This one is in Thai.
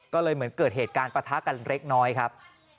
ก็เลยเหมือนเกิดเหตุการณ์ประทะกันเล็กน้อยครับ